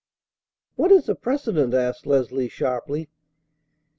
"What is a precedent?" asked Leslie sharply.